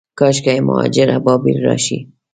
کاشکي، مهاجر ابابیل راشي